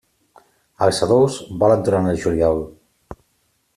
Els adults volen durant el juliol.